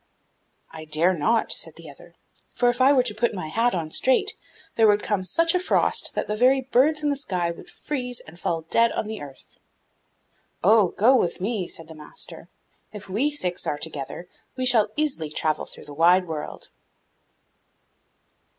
'I dare not,' said the other, 'for if I were to put my hat on straight, there would come such a frost that the very birds in the sky would freeze and fall dead on the earth.' 'Oh, go with me,' said the master; 'if we six are together, we shall easily travel through the wide world.